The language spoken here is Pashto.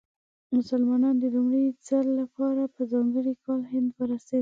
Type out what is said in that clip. مسلمانان د لومړي ځل لپاره په ځانګړي کال هند ورسېدل.